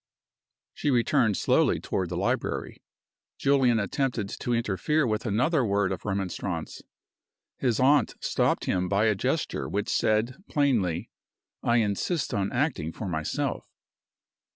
She returned slowly toward the library. Julian attempted to interfere with another word of remonstrance. His aunt stopped him by a gesture which said, plainly, "I insist on acting for myself."